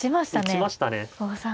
打ちましたね。